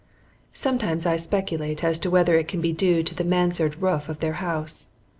Sometimes I speculate as to whether it can be due to the mansard roof of their house.